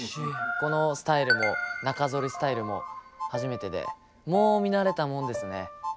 このスタイルも中剃りスタイルも初めてでもう見慣れたもんですね。